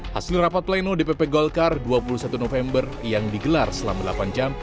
hasil rapat pleno dpp golkar dua puluh satu november yang digelar selama delapan jam